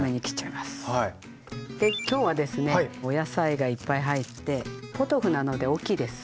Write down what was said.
今日はですねお野菜がいっぱい入ってポトフなので大きいです。